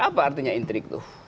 apa artinya intrik itu